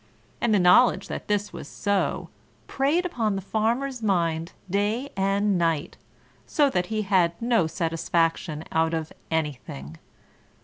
And the knowledge that this was so, preyed upon the Farmer's mind day and night, so that he had no satisfaction out of anything.